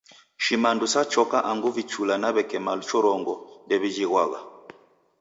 Shimandu sa choka angu vichula na w'eke mwaluchorongo nderijighwagha.